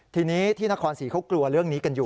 ทีนี้ที่นครศรีเขากลัวเรื่องนี้กันอยู่